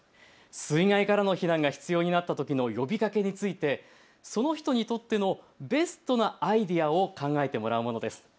水害からの避難が必要になったときの呼びかけについてその人にとってのベストなアイデアを考えてもらうものです。